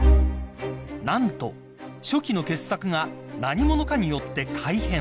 ［何と初期の傑作が何者かによって改変］